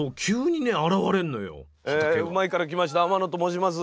「うまいッ！」から来ました天野と申します。